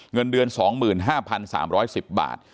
เงินเดือน๒๕๓๑๐บาท